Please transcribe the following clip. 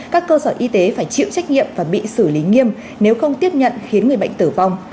các cơ sở y tế phải chịu trách nhiệm và bị xử lý nghiêm nếu không tiếp nhận khiến người bệnh tử vong